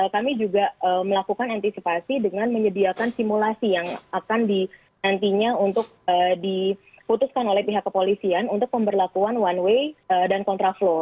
kami juga melakukan antisipasi dengan menyediakan simulasi yang akan di nantinya untuk diputuskan oleh pihak kepolisian untuk pemberlakuan one way dan kontraflow